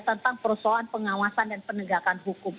tentang persoalan pengawasan dan penegakan hukum